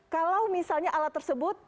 kalau misalnya alat tersebut